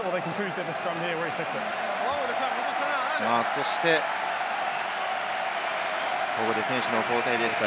そしてここで選手の交代です。